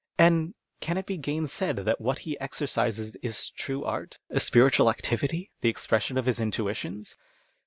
And can it be gainsaid that what he exercises is true art, a spiritual activity, the expression of his intuitions